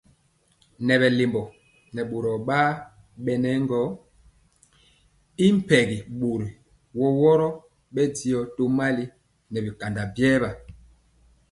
Nɛ bɛ lɛmbɔ nɛ boro bar bɛnɛ gkɔ y mpegi boro woro bɛndiɔ tomali nɛ bikanda biwa.